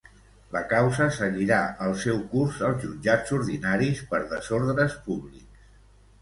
La causa seguirà el seu curs als jutjats ordinaris per desordres públics.